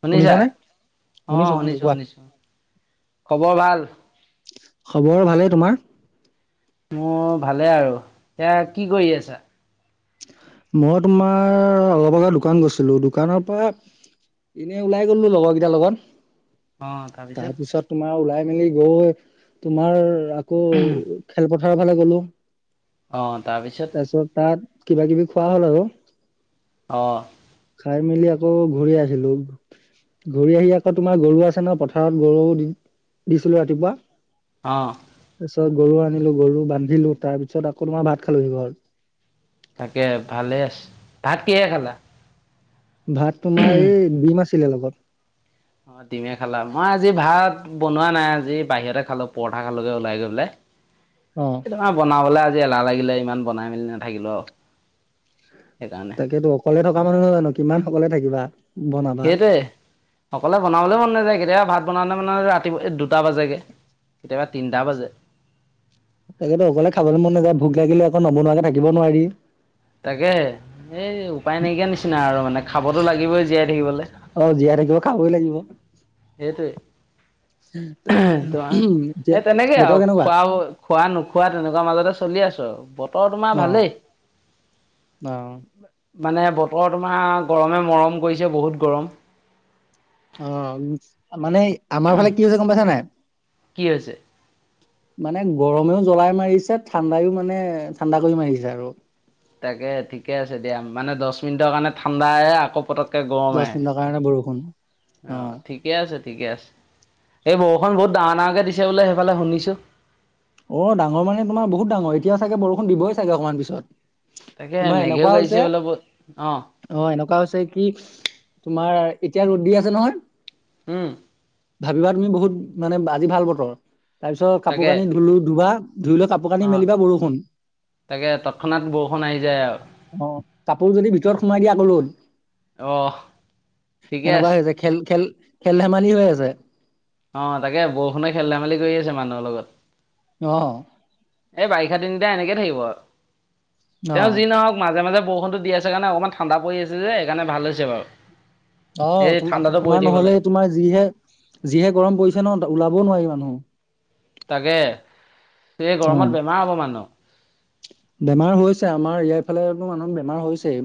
শুনিছা? শুনিছানে? অ' শুনিছো শুনিছো। খবৰ ভাল? খবৰ ভালেই তোমাৰ? মোৰ ভালে আৰু। এতিয়া কি কৰি আছা? মই তোমাৰ অলপ আগত দোকান গৈছিলোঁ। দোকানৰ পৰা এনেই ওলাই গলো লগৰ কেইটাৰ লগত। তাৰপিছত তোমাৰ ওলাই মেলি গৈ, তোমাৰ আকৌ খেলপথাৰৰ ফালে গ'লো। অহ। তাৰপিছত তাত কিবা কিবি খোৱা হ'ল আৰু। অহ। চাই মেলি আকৌ ঘূৰি আছিলোঁ। ঘূৰি আহি আকৌ তোমাৰ গৰু আছে ন, পথাৰত গৰু দি দিছিলোঁ ৰাতিপুৱা। অহ। তাৰপিছত গৰু আনিলোঁ, গৰু বান্ধিলোঁ, তাৰপিছত আকৌ তোমাৰ ভাত খালোহি ঘৰত। তাকে ভালে আছে। ভাত কিহেৰে খালা? ভাত তোমাৰ এই ডিম আছিলে লগত। অহ, ডিমে খালা। মই আজি ভাত বনোৱা নাই, আজি বাহিৰতে খালো পৰঠা খালগে ওলাই গৈ পেলে। অ'। এই তোমাৰ বনাবলে আজি এলাহ লাগিলে, ইমান বনাই মেলি নাথাকিলোঁ আৰু। সেইকাৰণে। তাকেতো অকলে থকা মানুহ নহয় জানো, কিমান অকলে থাকিবা। বনাবা সেইটোৱে, অকলে বনাবলৈ মন নাযায় কেতিয়াবা ভাত বনাওতে-বনাওতে ৰাতি দুটা বাজেগে, কেতিয়াবা তিনিটা বাজে। তাকেতো অকলে খাবলৈ মন নাযায়। ভোক লাগিলে আকৌ নবনোৱাকে থাকিব নোৱাৰি। তাকেহে, এই উপায় নাইকিয়া নিচিনা আৰু মানে খাবতো লাগিবই জীয়াই থাকিবলৈ অহ, জীয়াই থাকিব খাবই লাগিব। এইটোৱে। [unintelligible] এতিয়া এই তেনেকে বতৰ আৰু কেনেকুৱা খোৱা, খোৱা নোখোৱা তেনেকুৱা মাজতে চলি আছোঁ। [unintelligible] অহ। ভালেই অহ। মানে বতৰ তোমাৰ, গৰমে মৰম কৰিছে বহুত গৰম। অহ, মানে আমাৰ ফালে কি হৈছে গম পাইছা নে নাই। কি হৈছে? মানে গৰমেও জ্বলাই মাৰিছে, ঠাণ্ডাও মানে ঠাণ্ডা কৰি মাৰিছে আৰু। তাকে ঠিকে আছে দিয়া। মানে দহ মিনিটৰ কাৰণে ঠাণ্ডা‌ আহে আকৌ পতক দহ। অ অহ, ঠিকে আছে, ঠিকে আছে। এই বৰষুণ বহুত ডাঙৰ ডাঙৰ দিছে বোলে সেইফালে শুনিছোঁ। অহ, ডাঙৰ মানে তোমাৰ বহুত ডাঙৰ। এতিয়া চাগে বৰষুণ দিবই চাগে অকণমান পিছত। তাকে তোমাৰ মেঘেও এনেকুৱা গাইছে হৈছে, বোলে বহুত অ অ' এনেকুৱা হৈছে কি তোমাৰ এতিয়া ৰ'দ দি আছে নহয়। হম। ভাবিবা তুমি বহুত মানে আজি ভাল বতৰ, তাৰপিছত কাপোৰ তাকে কানি ধুলো ধুবা ধুই লৈ কাপোৰ কানি অ মেলিবা বৰষুণ। তাকে তৎক্ষণাত বৰষুণ আহি যায় আৰু আহ কাপোৰ যদি ভিতৰত সোমাই দিয়া কলত অ'। এনেকুৱা হৈ আছে খেল খেল খেল ধেমালি হৈ আছে। অহ, তাকে বৰষুণে খেল ধেমালি কৰি আছে মানুহৰ লগত। অহ। এই বাৰিষা তিনিটা এনেকে থাকিব আৰু। অ তেওঁ যি নহওঁক মাজে মাজে বৰষুণটো দি আছে কাৰণে অকণমান ঠাণ্ডা পৰি আছে যে, সেইকাৰণে ভাল হৈছে বাৰু। অহ, এই তোমাৰ, ঠাণ্ডাটো পৰি তোমাৰ থাকিব নহ'লে লাগে তোমাৰ যিহে, যিহে গৰম পৰিছে ন ওলাবও নোৱাৰি ইমান। নো। তাকে, এই গৰমত বেমাৰ হ'ব মানুহৰ। বেমাৰ হৈছে, আমাৰ ইয়াৰফালে মানুহ বেমাৰ হৈছেই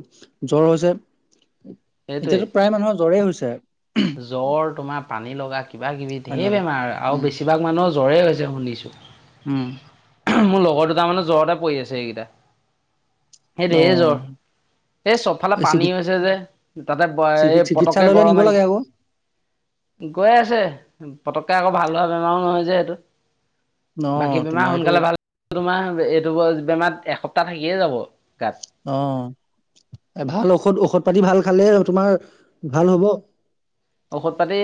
জ্বৰ হৈছে। সেইটোৱে এতিয়াতো প্ৰায় মানুহৰ জ্বৰেই হৈছে। জ্বৰ তোমাৰ পানী লগা কি কিবাকিবি পানী ঢেৰ লগা বেমাৰ আৰু উম বেছিভাগ মানুহৰ জ্বৰে হৈছে শুনিছোঁ। উম মোৰ লগৰ দুটা তাৰমানে জ্বৰতে পৰি আছে এইকেইটা। সেই ঢেৰ জ্বৰ অ'। এই চবফালে পানী হৈছে যে, তাতে চিকি এই পতককে চিকিৎসালয়লৈ গৰম নিব লাগে আহিছে। আকৌ গৈ আছে, পতককে আকৌ ভাল ভোৱা বেমাৰো নহয় যে এইটো। অ বাকী বেমাৰ তোমাৰ এইটো সোনকালে ভাল, তোমাৰ এইটো বেমাৰ এসপ্তাহ থাকিয়ে যাব। গাত অ', ভাল ঔষধ ঔষধ পাতি ভাল খালে তোমাৰ, ভাল হ'ব। ঔষধ পাতি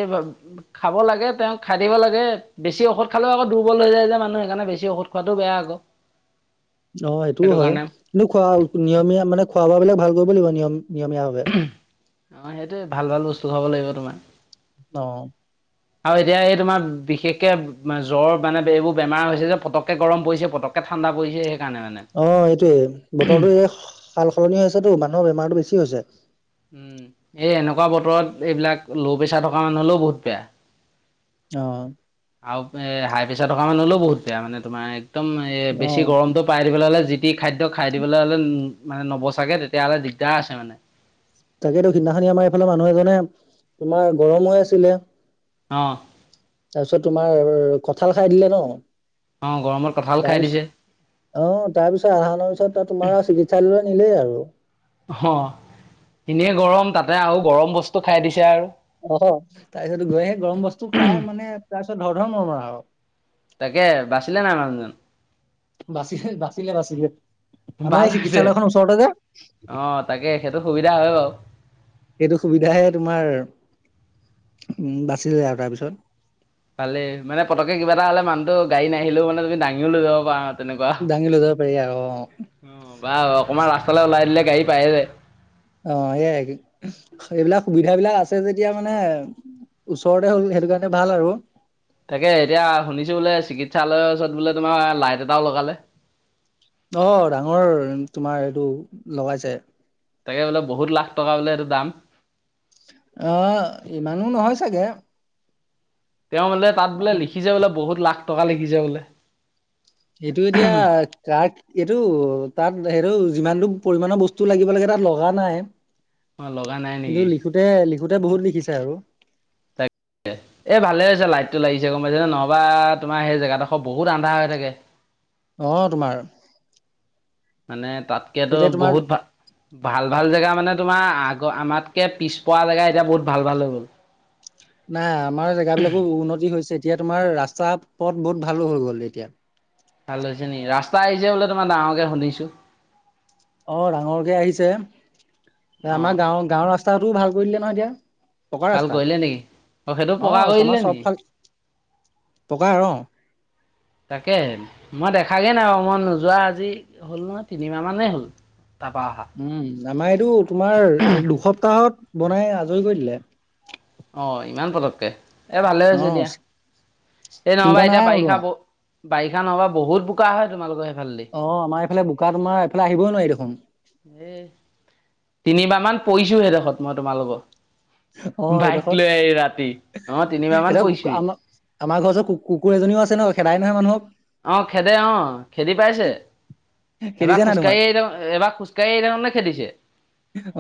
খাব, লাগে তেওঁক খাই দিব লাগে বেছি ঔষধ খালেও আকৌ দুৰ্বল হৈ যায় যোন। মানুহ সকাৰণেছিঔষধ খোৱাটো বেয়া আকৌ। অ' সেইটোও সেইটো হয়, কাৰণে কিন্তু খোৱা নিয়মীয়া মানে খোৱা বোৱাাবলাক ভাল কৰিব লাগিব নিয়ম নিয়মীয়া ভাৱে অ' সেইটোৱে ভাল ভাল বস্তু খাব লাগিব তোমাৰ। অ'। আৰু এতিয়া এই তোমাৰ বিশেষকে জ্বৰ মানে এইবোৰ বেমাৰ হৈছে যে পটককে গৰম পৰিছে পটককে ঠাণ্ডা পৰিছে। সেইকাৰণে মানে অ' এইটোয়ে বতৰটোো এই সাল সলনি হৈছেতো মানুহৰ বেমাৰতো বেছি হৈছে। উম এই এনেকুৱা বতৰত এইবিলাক ল' প্ৰেছাৰ থকা মানুহ হলেও বহুত বেয়া। আহ। আৰু এ হাই প্ৰেছাৰ থকা মানুহ হলেও বহুত বেয়া মানে তোমাৰ একদম এ অ বেছি গৰমটো পাই দিবলৈ হ'লে খাদ্য খাই দিবলৈ হ'লে মানে নবচাগে তেতিয়াহ'লে দিগদাৰ আছে মানে। তাকেইেতো সিদিনাখনি আমাৰ এইফালে মানুহ এজনে, তোমাৰ গৰম হৈ আছিলে। অ তাৰপিছত তোমাৰ কঠাল খাই দিলে ন। অ' গৰম তাৰ পিছত, অ' তাৰপিছত আধা পিছত ত তোমাৰ চিকিৎসালয়লৈ নিলেই আৰু। অ' এনে গৰম তাতে আৰু গৰম বস্তু খাই দিছে আৰু। অ', তাৰপিছত গ সেই গৰম বস্তু খাই মানে তাৰপিছত ধৰ ধৰ মৰমৰা আৰু। তাকে বাচিলে নাই মানুহজন? বাচে বাচিলে বাচিলে, ভাল আমাৰ এই হৈছে চিকিৎসালয়খনৰ ওচৰতে যে। তেখেতটো সুবিধা হয় বাৰু। সেইটো সুবিধাহে তোমাৰ, উ বাচিলে আৰু তাৰপিছত ভালেই মানে পতকে কিবা এটা হলে মানুহটো গাড়ী নিলও মানে তুমি দািও লৈ যাব পাৰা। তেনেকুৱা দাঙি লৈ যাব পাৰি আৰু অ'। বা অকণমান ৰাস্তালৈ ওলাই দিলে গাড়ী পায়ে যায়। অঁ এইয়াই এইবিলাক সুবিধাাবলাক আছে যেতিয়া মানে ওচৰতে হ'ল সেইটো কাৰণে ভাল আৰু তাকে এতিয়া শুনিছো বোলে চিকিৎসালয়ৰ ওচৰত বোলে তোমাৰ লাইট এটাও লগালে অঁ ডাঙৰ তোমাৰ এইটো লগাইছে তাকে বোলে বহুত লাখ টকা বোলে এইটো দাম অঁ ইমানো নহয় চাগে তেওঁ বোলে তাত বোলে লিখিছে বোলে বহুত লাখ টকা লিখি যায় বোলে এইটো এতিয়া কাক এইটো তাত সেইটো যিমানটো পৰিমমানণৰ বস্তু লাগিব লাগে তাত লগা নাই। মই লগা নাই নেকি? কিন্তু লিখোতে লিখোতে বহুত লিখিছে আৰু। এ ভালে হৈছে লাইটটো লাগিছে গম পাইছেনে নহবা তোমাৰ সেই জেগাডোখৰ বহুত আন্ধা হৈ থাকে। আহ তোমাৰ। মানে তাতকেতো তেতিয়া তোমাৰ বহুত ভাল, ভাল ভাল জেগা মানে তোমাৰ আক আমাতকে পিছপৰা জেগা এতিয়া বহুত ভাল ভাল হৈ গ'ল। নাই আমাৰ জেগা বিলাকো উন্নতি হৈছে এতিয়া তোমাৰ ৰাস্তা পথ বহুত ভালো হৈ গ'ল এতিয়া ভাল হৈছে নেকি ৰাস্তা আহিছে বোলে তোমাৰ ডাঙৰকে শুনিছো অঁ ডাঙৰকে আহিছে অ আমাৰ গাঁওৰ গাঁওৰ ৰাস্তাতটোও ভাল [unintelligible] ভাল কৰিলে নেকি অঁ সেইটো পকা অ' কৰি আমাৰ দিলে নেকি চবফাল পকা অ' তাকে মই দেখা খাগে নাই বাৰু মই নোযোৱা আজি হ'ল নহয় তিনিমাহ মানেই হ'ল তাৰপা অহা উম আমাৰ এইটো তোমাৰ এক দুসপ্তাহত বনাই আজৰি কৰি দিলে অঁ ইমান পতককে এ ভালে হৈছে অ' এতিয়া এই নহবা চিন্তা এতিয়া নাই আৰু বাৰিষা তোমাৰ ব বাৰিষা নহবা বহুত বোকা হয় তোমালোকৰ সেইফালেদি অঁ আমাৰ এইফালে বোকা তোমাৰ এইফালে আহিবই নোৱাৰি দেখোন এ তিনিবাৰ মান পৰিছো হেডোখৰত মই তোমালোকৰ অঁ বাইক লৈ আহি ৰাতি অ' এডোখৰত তিনিবাৰ মান এতিয়া পৰিছোহি আমাৰ আমাৰ ঘৰ ওচৰত কুকুৰ এজনীও আছে ন খেদাই নহয় মানুহক অঁ খেদে অঁ খেদি পাইছে এবাৰ খেদিছে নাই খোজকাঢ়ি তোমাক আহি এবাৰ খোজকাঢ়ি আহি থাকোঁতে খেদিছে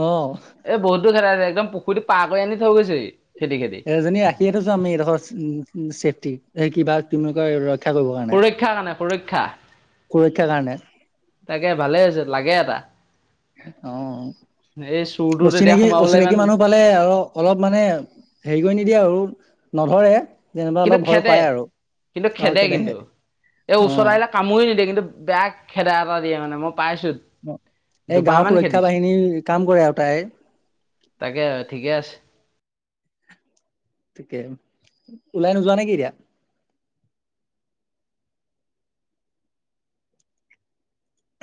অ'। এ বহুত দুৰ খেদাইছে একদম পুখুৰীটো পাৰ কৰি আনি থৈ গৈছে এজনী ৰাখিয়েই থৈছো আমি এডোখৰ চেফটি এই কিবা ৰক্ষা কৰিবৰ কাৰণে। সুৰক্ষা কাৰণে সুৰক্ষা সুৰক্ষাৰ কাৰণে তাকে ভালে হৈছে লাগে এটা অঁ এই চুৰটো তেতিয়া অচিনাকি সোমাবলৈ অচিনাকি ইমান মানুহ পালে আৰু অলপ মানে হেৰি কৰি নিদিয়ে আৰু নধৰে যেনিবা কিন্তু অলপ ভয় খেদে খুৱাই আৰু কিন্তু অ খেদে খেদাই কিন্তু এই অ ওচৰত আহিলে কামুৰি নিদিয়ে কিন্তু বেয়া খেদা এটা দিয়ে মানে মোক এই গাঁওৰ সুৰক্ষা খেদিছে বাহিনী কাম কৰে আৰু তাই তাকে ঠিকে আছে ওলাই নোযোৱা নেকি এতিয়া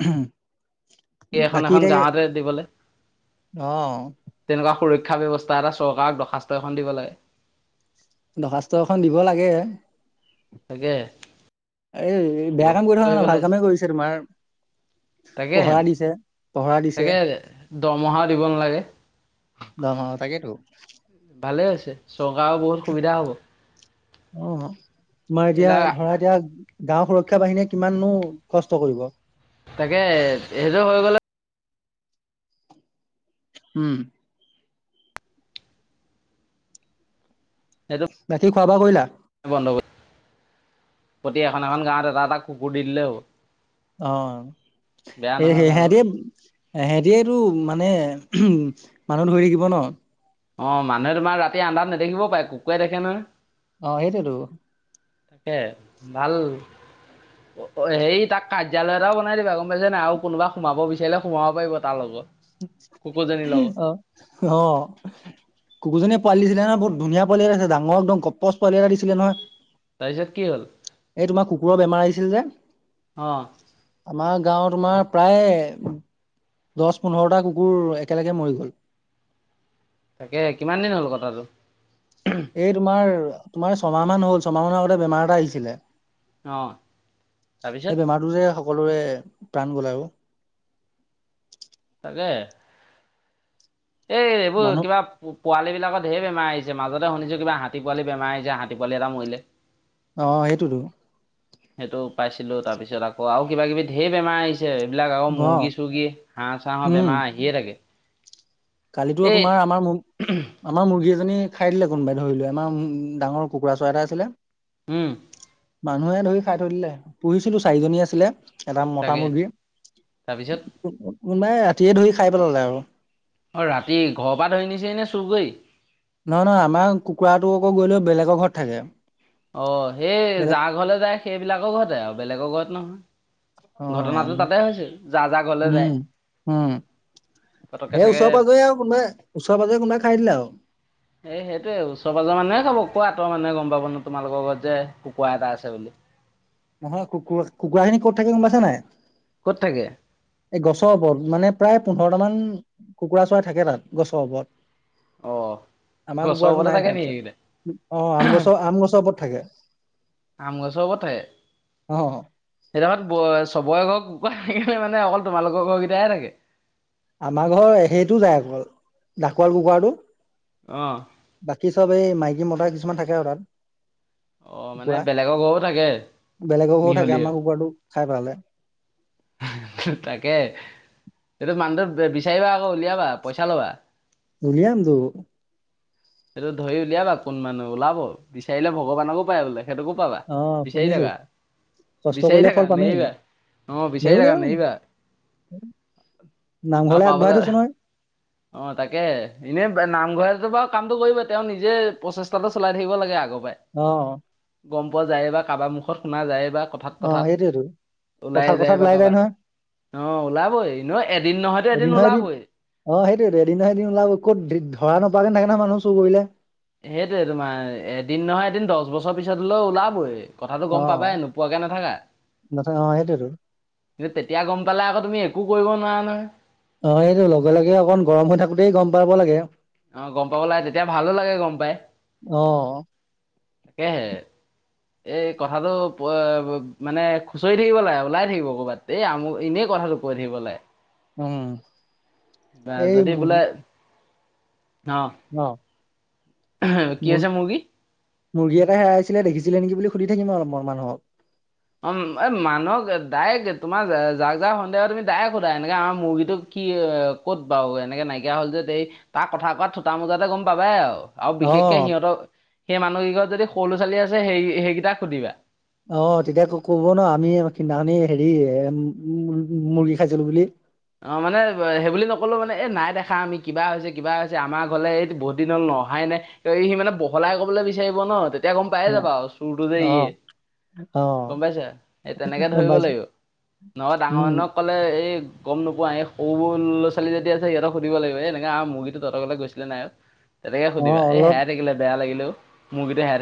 হম এখন এখন গাঁৱতে দিবলৈ অঁ শিক্ষা ব্যৱস্থা এটা চৰকাৰক দৰ্খাস্ত এখন দিব লাগে দৰ্খাস্ত এখন দিব লাগে তাকে আৰে দিব বেয়া কাম কৰি থকা নাই ভাল কামেই কৰিছে তোমাৰ তাকেহে পহৰা দিছে পহৰা দিছে তাকেহে দৰমহাও দিব নালাগে দ তাকেইতো ভালে হৈছে চৰকাৰও বহুত সুবিধা হ'ব। অ' তোমাৰ এতিয়া এইবিলাক ধৰা এতিয়া গাঁওৰ সুৰক্ষা বাহিনীয়ে কিমানো কষ্ট কৰিব। তাকে সেইযোৰ হৈ গ'লে উম। সেইটো বাকী খোৱা বোৱা কৰিলা। বন্ধ কৰি প্ৰতি এখন এখন গাঁৱত এটা এটা কুকুৰ দি দিলেও অঁ এই ভাল হ'ব সেহতিয়টো মানে উম মানুহ ধৰি থাকিব ন অঁ মানুহে তোমাৰ ৰাতি আন্ধাৰত নেদেখিবও পাৰে কুকুৰে দেখে নহয় অঁ সেইটোৱেই টো তাকে ভাল অঁ হেৰি তাক কাৰ্যালয় এটাও বনাই দিবা গম পাইছ নাই আৰু কোনোবা সোমাব বিচাৰিলে সোমাব পাৰিব তাৰ লগত কুকুৰজনীৰ লগত অ', অ' কুকুৰজনী পালি দিছিলে নহ বহুত ধুন পাল এটাছিল ডাঙৰ একদমপচ পালি এটা দিছিলে নয়। তাৰপিছত কি হ'ল এই তোমাৰ কুকুৰৰ বেমাৰ আহিছিল যে অ'। আমাৰ গাঁওত তোমাৰ প্ৰায় দহ পোন্ধৰটা কুকুৰ একেলগে মৰি গ'ল তাকে কিমান দিন হ'ল কথাটো এই তোমাৰ তোমাৰ ছমাহ মান হ'ল ছমাহ মানৰ আগতে বেমাৰ এটা আহিছিলে। অ' সেই তাৰপিছত। বেমাৰটো যে সকলোৰে প্ৰাণ গলেও। তাকে এই এইবোৰ মানুহ কিবা পোৱালী বিলাকৰ ঢেৰ বেমাৰ আহিছে। মাজতে শুনিছো কিবা হাতী পালি বেমাৰ আহিছে হাতী পালি এটা মৰিলে। অ' সেইটোতো সেইটো পাইছিলো তাৰপিছত আকৌ আৰু কিবা কিবি ঢেৰ বেমাৰ আহিছিল। এইবিলাক আৰু অ মুৰ্গী চৰ্গী হাঁহ চাঁহৰ উম বেমাৰ আহিয়ে থাকে। কালিতো এই তোমাৰ আমাৰ আমাৰ মুৰ্গী এজনী খাই দিলে কোনোবাই ধৰি লো আমাৰ ডাঙৰ কুকুৰা চৰাই এটা আছিলে। হম। মানুহে ধৰি খাই থৈ দিলে পুহিছিলো চাৰিজনী আছিলে এটা মতা তাকে মুৰ্গী তাৰপিছত কোনোবাই ৰাতিয়ে ধৰি খাই পেলালে আৰু। অ' ৰাতি ঘৰৰ পৰা ধৰি নিছে নে চুৰ কৰি। নহয় নহয় আমাৰ কুকুৰাটো আকৌ গৈ লয় বেলেগৰ ঘৰত থাকে। অ' সেয়ে বেলেগ যাৰ ঘৰলে যায় সেইবিলাকৰ ঘৰতে আৰু বেলেগৰ ঘৰত অ নহয়। ঘটনাটো তাতেই হৈছে, যাৰ যাৰ ঘৰলৈ উম যায়। উম পতককে সেই চাগে ওচৰে পাজৰে আৰু কোনোবাই, ওচৰে পাজৰে কোনোবাই খাই দিলে আৰু। এ সেইটোয়ে, ওচৰে পাজৰ মানুহেই খাব। কৰ পৰা আঁতৰৰ মানুহে গম পাব নো তোমালোকৰ লগত যে কুকুৰা এটা আছে বুলি। নহয় কুকুৰা, কুকুৰা খিনি ক'ত থাকে গম পাইছা নে নাই। ক'ত থাকে? এই গছৰ ওপৰত মানে প্ৰায় পোন্ধৰটা মান কুকুৰা চৰাই থাকে তাত গছৰ অ ওপৰত। আমাৰ গছৰ কুকুৰা টো ওপৰতে নাই থাকে নেকি সেইকেইটা তাৰপিছত। অ' আম গছৰ, আম গছত থাকে। আম গছৰ ওপৰত থাকে। অ সেইদালত চবৰে ঘৰৰ কুকুৰা থাকে নে অকল তোমালোকৰ ঘৰৰ কেইটা থাকে? আমাৰ ঘৰৰ সেইটো যায় অকল, ডাকোৱাল কুকুৰাটো। অ বাকী চব এই মাইকী - মতা কিছুমান থাকে আৰু তাত। অ মানে কুকুৰা বেলেগৰ ঘৰো থাকে বেলেগৰ কেইটা থাকে, মিহলি আমাৰ কুকুৰাটো খাই পেলালে। [inaudible] তাকে, কিন্তু মানুহটোক বিচাৰিবা আকৌ উলিয়াবা, পইচা ল'বা। উলিয়াম দুয়ো। সেইটো ধৰি উলিয়াবা কোন মানুহ ওলাব, বিচাৰিলে ভগৱানকো পায় বোলে। সেইটোকো পাবা অ বিচাৰি শুনিছো থাকা। কষ্ট বিচাৰি কৰিলে থাকা, ফল পামেই নেৰিবা অ' বিচাৰি নেও থাকা নেও নেৰিবা। আৰু নামঘৰলৈ আগবঢ়াই পাবলৈ, থৈছো নহয় অ' তাকেই এনে নামঘৰত। তোমাৰ কামটো কৰিবলৈ তেওঁ নিজে প্ৰচেষ্টাটো চলাই থাকিব লাগে আগত- আহ গম পোৱা যায় বা কাৰোবাৰ মুখত শুনা যায়েই বা। কথাক অ সেইটোয়েতো কথাই ওলাই কথাত যায় কথাত বা নহয় কাৰোবাৰ অ' ওলাবই এনেও এদিন নহয়তো এদিন ওলাবই। অ' সেইটোৱে টো, এদিন সেইদিন ওলাবই, ক'ত ধৰা নাপাৰাকৈ নেৰে নহয় মানুহে চোৰ কৰিলে। সেইটোৱে টো তোমাৰ এদিন নহয় এদিন, দহ বছৰ পিছত হলেও ওলাবই। কথাটো অ গম পাবাই নোপোৱাকে নাথাকা নথ অ সেইটোয়েতো কিন্তু তেতিয়া গম পালে আকৌ তুমি একো কৰিব নোৱাৰা নহয়। অ' এইটোৱে লগে লগে অকন গৰম হৈ থাকোতেই গম পাব লাগে। আহ গম পাব লাগে তেতিয়া ভালো লাগে গম পাই। অ তাকেই। এই কথাটো মানে খুচৰি থাকিব লাগে ওলাই থাকিব ক'ৰবাত, এই আমাৰ এনেই কথাটো কৈ থাকিব লাগে উম বা এই যদি মুৰ্গী বোলে অঁ অ'। কি মুৰ হৈছে মুৰ্গীৰ মুৰ্গী এটা হেৰাইছিলে, দেখিছিলে নেকি? বুলি সুধি থাকিম আৰু অলপমান মানুহক। অ' এ মানুহক ডাইৰেক্ট তোমাৰ যাক - যাক সন্দেহ আছে তুমি ডাইৰেক্ট সোধা, এনেকে আমাৰ মুৰ্গীটোক কি, ক'ত বাৰু, এনেকে নাইকিয়া হ'ল যে এই, তাৰ কথা কোৱা থুটা - মোজাতে গম পাবাই আৰু। আৰু অ বিশেষকে সিহঁতৰ সেই মানুহকেইঘৰৰ যদি সৰু লৰা-ছোৱালী আছে সেই, সেইকেইটাক সুধিবা। অ' তেতিয়া কব ন আমি সিদিনা খনে হেৰি মুৰ্গী খাইছিলো বুলি। অ' মানে সেই বুলি নকলেও মানে এই নাই দেখা আমি কিবা হৈছে, কিবা হৈছে আমাৰ ঘৰলে এই বহুত দিনৰ লৈ অহাই নাই। ত সি মানে বহলাই কবলৈ বিচাৰিব ন। তেতিয়া গম পায়ে অ যাবা আৰু চোৰটো যে অ ইয়ে। অ গম পাইছা, এ তেনেকে গম ধৰিব পাইছো লাগিব। নহলে ডাঙৰ উম মানুহক ক'লে এই গম নোপোৱা, এই সৰু লৰা - ছোৱালী যদি আছে সিহঁতক সুধিব লাগিব, এনেকে আমাৰ মুৰ্গীটো তহতৰ ফালে গৈছিলেনে নাই? তেনেকে অ সুধিবা এ অলপ হেৰাই থাকিলে বেয়া লাগিল ও, মুৰ্গী হেৰাই থাকিল।